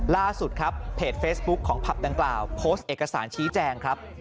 ล่าสุดครับเพจเฟซบุ๊คของผับดังกล่าวโพสต์เอกสารชี้แจงครับ